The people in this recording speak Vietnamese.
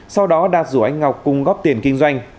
sau đó đạt rủ anh ngọc cùng góp tiền kinh doanh